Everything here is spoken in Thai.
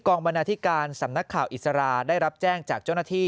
บรรณาธิการสำนักข่าวอิสราได้รับแจ้งจากเจ้าหน้าที่